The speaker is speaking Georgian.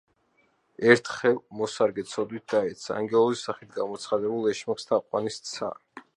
ერთხელ, მოსაგრე ცოდვით დაეცა: ანგელოზის სახით გამოცხადებულ ეშმაკს თაყვანი სცა.